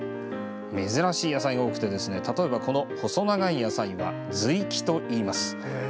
珍しい野菜が多くて例えば、この細長い野菜は「ずいき」といいます。